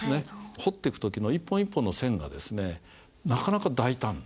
彫ってく時の一本一本の線がですねなかなか大胆。